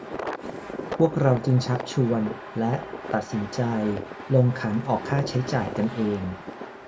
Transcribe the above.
พวกเราจึงชักชวน และ ตัดสินใจ ลงขันออกค่าใช้จ่ายกันเอง